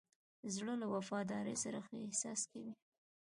زړه له وفادارۍ سره ښه احساس کوي.